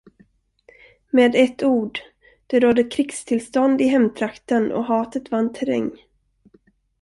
Med ett ord, det rådde krigstillstånd i hemtrakten och hatet vann terräng.